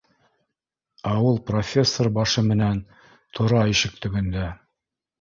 Ә ул профессор башы менән тора ишек төбөндә